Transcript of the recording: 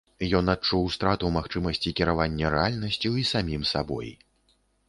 Ён адчуў страту магчымасці кіравання рэальнасцю і самім сабой.